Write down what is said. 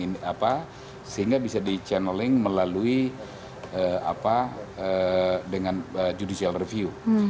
saya kira memang bisa dicanneling melalui judicial review